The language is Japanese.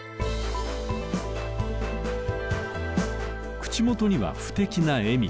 口元には不敵な笑み。